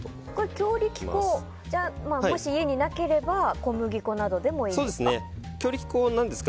強力粉がもし家になければ小麦粉などでもいいんですか？